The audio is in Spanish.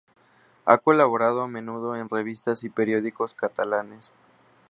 Ha colaborado a menudo en revistas y periódicos catalanes.